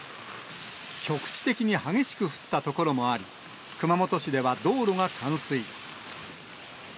局地的に激しく降った所もあり、熊本市では道路が冠水。